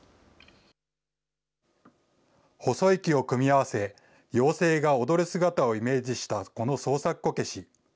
細い木を組み合わせ、妖精が踊る姿をイメージしたこの創作こけし。